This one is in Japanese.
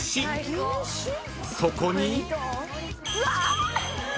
［そこに］